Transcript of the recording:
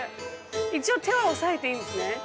一応手は押さえていいんですね？